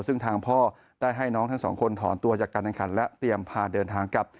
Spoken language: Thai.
ซึ่งทางพ่อได้ให้น้องทั้งสองคนถอนตัวจากการแข่งขันและเตรียมพาเดินทางกลับ